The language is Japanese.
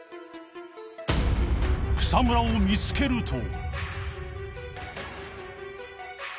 ［草むらを見つけると］